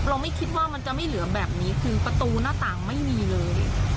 ไม่คิดว่ามันจะไม่เหลือแบบนี้คือประตูหน้าต่างไม่มีเลย